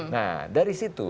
nah dari situ